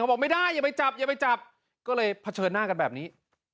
บอกไม่ได้อย่าไปจับอย่าไปจับก็เลยเผชิญหน้ากันแบบนี้